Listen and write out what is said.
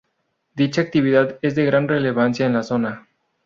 Dicha actividad es de gran relevancia en la zona.